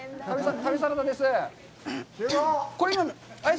旅サラダです。